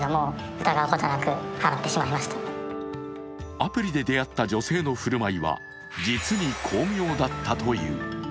アプリで出会った女性の振る舞いは実に巧妙だったという。